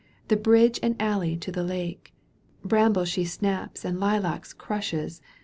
The bridge and alley to the lake. Brambles she snaps and lilacs crushes.